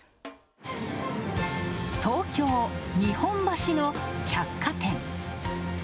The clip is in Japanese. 東京・日本橋の百貨店。